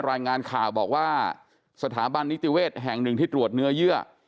รายงานข่าวบอกว่าสถาบันนิติเวศแห่งหนึ่งที่ตรวจเนื้อเยื่อ